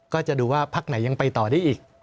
ก็จะดูว่าพักไหนยังไปต่อได้อีก